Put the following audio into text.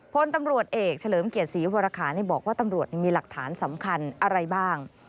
พลตำรวจเอกเฉลิมเกียรติศรีวรคาบอกว่าตำรวจมีหลักฐานสำคัญอะไรบ้าง